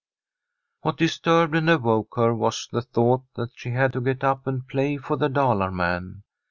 What disturbed and awoke her was the thought that she had to get up and play for the Dalar man.